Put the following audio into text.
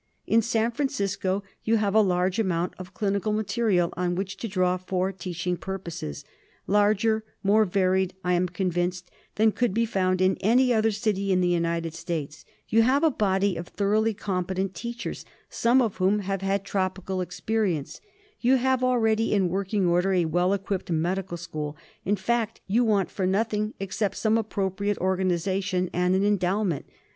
In San Francisco you have a large amount of clinical material on which to draw for teaching purposes — larger, more varied, I am convinced, than could be found in any other city in the United States ; you have a body of thoroughly competent teachers, some of whom have had tropical experience; you have already in working order a well equipped medical school; in fact, you want for nothing except some appropriate organisation and an endowment.